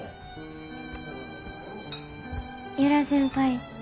由良先輩